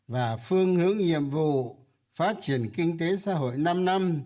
và phương hướng nhiệm vụ phát triển kinh tế xã hội năm năm